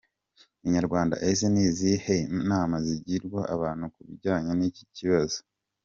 Inyarwanda: Ese ni izihe nama zigirwa abantu ku bijyanye n’iki kibazo?.